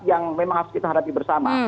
yang memang harus kita hadapi bersama